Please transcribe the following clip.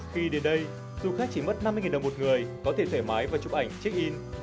khi đến đây du khách chỉ mất năm mươi đồng một người có thể thoải mái và chụp ảnh check in